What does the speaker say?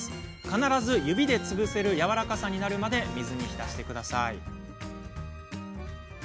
必ず指で潰せるやわらかさになるまで水に浸してください。